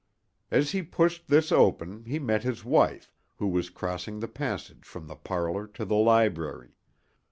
As he pushed this open he met his wife, who was crossing the passage from the parlor to the library.